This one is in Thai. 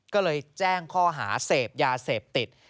ก็เลยแจ้งข้อหาเสพยาเสพติด